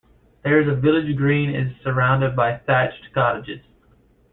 There is a village green is surrounded by thatched cottages.